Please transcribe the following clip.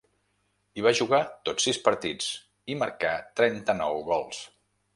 Hi va jugar tots sis partits, i marcà trenta-nou gols.